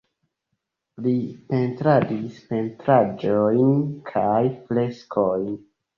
Li pentradis pentraĵojn kaj freskojn.